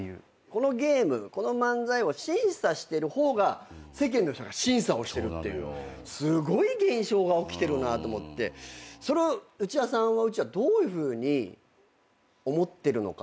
このゲームこの漫才を審査してる方が世間の人が審査をしてるっていうすごい現象が起きてるなと思ってそれをうっちーはどういうふうに思ってるのかなって。